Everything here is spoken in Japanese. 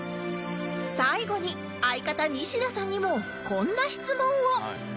最後に相方西田さんにもこんな質問を